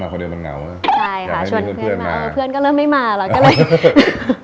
คนเดียวมันเหงาใช่ค่ะชวนเพื่อนมาเออเพื่อนก็เริ่มไม่มาเราก็เลย